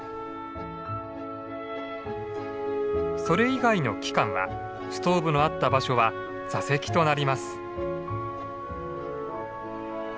それ以外の期間はストーブのあった場所は座席となります。